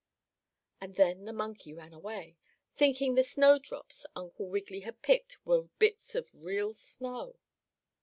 And then the monkey ran away, thinking the snowdrops Uncle Wiggily had picked were bits of real snow.